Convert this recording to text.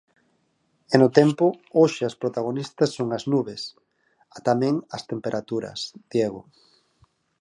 E no tempo, hoxe as protagonistas son as nubes a tamén as temperaturas, Diego.